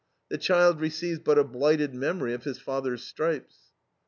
The child receives but a blighted memory of his father's stripes.